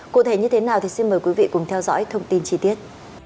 cụ thể như thế nào thì xin mời quý vị cùng theo dõi thông tin chi tiết